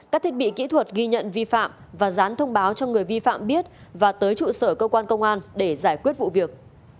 các thiết bị kỹ thuật ghi nhận vi phạm và dán thông báo cho người vi phạm biết và tới trụ sở cơ quan công an để giải quyết vụ việc